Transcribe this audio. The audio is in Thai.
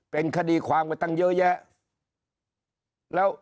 เป็นคดีความไปตั้งเยอะแยะแล้ว